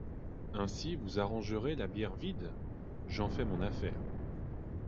Ainsi vous arrangerez la bière vide ? J'en fais mon affaire.